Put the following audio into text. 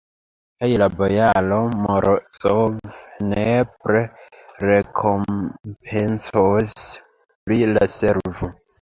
Kaj la bojaro Morozov nepre rekompencos pri la servo.